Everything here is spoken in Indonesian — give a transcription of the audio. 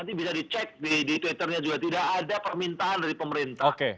nanti bisa dicek di twitternya juga tidak ada permintaan dari pemerintah